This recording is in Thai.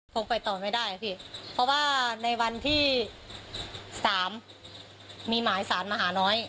คงไปต่อไม่ได้พี่เพราะว่าในวันที่สามมีหมายสารมาหาน้อย